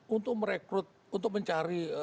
untuk merekrut untuk mencari